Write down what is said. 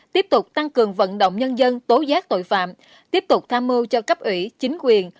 tiếp tục tăng cường vận động nhân dân tối giác tội phạm tiếp tục tham mưu cho cấp ủy chính quyền